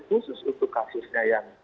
khusus untuk kasusnya yang